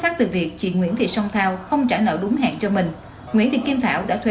phát từ việc chị nguyễn thị song thao không trả nợ đúng hẹn cho mình nguyễn thị kim thảo đã thuê